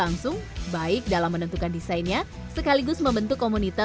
jangan kayak kita dz youtuber waktu itu